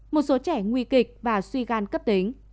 một số trẻ nguy kịch và suy gan cấp tính